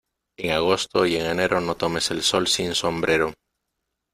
En agosto y en enero no tomes el sol sin sombrero.